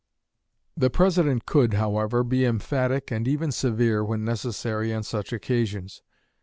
The President could, however, be emphatic and even severe when necessary on such occasions.